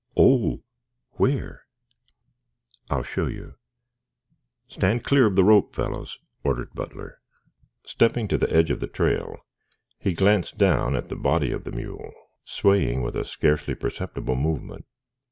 "Oh! Where?" "I'll show you. Stand clear of the rope, fellows," ordered Butler. Stepping to the edge of the trail he glanced down at the body of the mule, swaying with a scarcely perceptible movement.